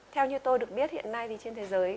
theo như tôi được biết hiện nay thì trên thế giới